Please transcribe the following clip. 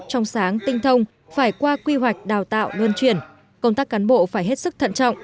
trong sáng tinh thông phải qua quy hoạch đào tạo luân chuyển công tác cán bộ phải hết sức thận trọng